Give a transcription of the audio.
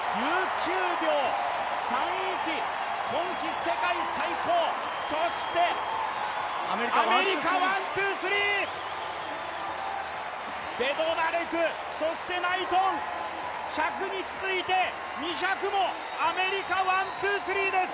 １９秒３１、今季世界最高、そしてアメリカワン・ツー・スリーベドナレク、そしてナイトン、１００に続いて２００もアメリカワン・ツー・スリーです。